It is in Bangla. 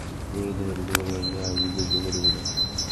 গোবিন্দমাণিক্য বলিলেন, আমি যুদ্ধ করিব না।